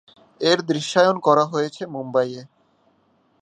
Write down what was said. এর দৃশ্যায়ন করা হয়েছে মুম্বাইয়ে।